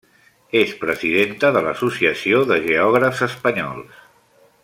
És presidenta de l'Associació de Geògrafs Espanyols.